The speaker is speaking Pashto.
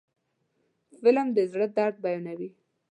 فلم د زړه درد بیانوي